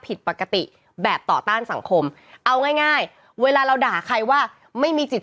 ผิดปกติแบบต่อต้านสังคมเอาง่ายเวลาเราด่าใครว่าไม่มีจิต